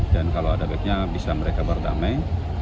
dan kalau ada baiknya bisa mereka berdamai